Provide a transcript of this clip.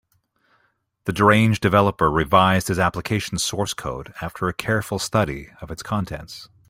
The deranged developer revised his application source code after a careful study of its contents.